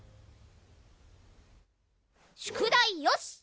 宿題よし！